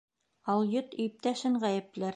Алйот иптәшен ғәйепләр.